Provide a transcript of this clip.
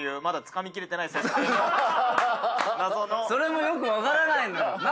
それもよく分からないのよ。